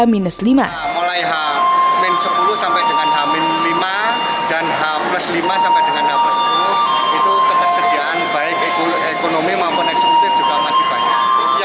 mulai h sepuluh sampai dengan h lima dan h lima sampai dengan h sepuluh itu ketersediaan baik ekonomi maupun eksekutif juga masih banyak